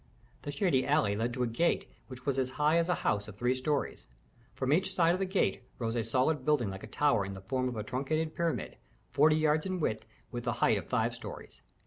The shady alley led to a gate which was as high as a house of three stories. From each side of the gate rose a solid building like a tower in the form of a truncated pyramid, forty yards in width with the height of five stories.